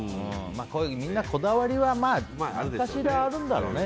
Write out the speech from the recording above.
みんなこだわりは何かしらあるんだろうね。